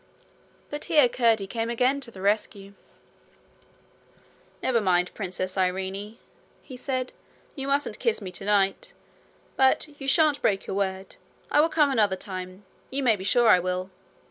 But here Curdie came again to the rescue. 'Never mind, Princess Irene,' he said. 'You mustn't kiss me tonight. But you shan't break your word. I will come another time. You may be sure I will.'